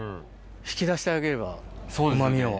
引き出してあげればうま味を。